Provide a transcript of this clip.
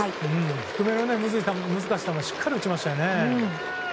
低めの難しい球をしっかり打ちましたね。